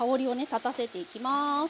立たせていきます。